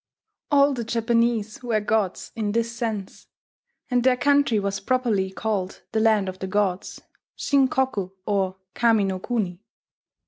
All the Japanese were gods in this sense; and their country was properly called the Land of the Gods, Shinkoku or Kami no kuni.